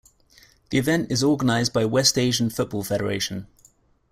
The event is organized by West Asian Football Federation.